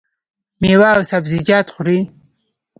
میوه او سبزیجات خورئ؟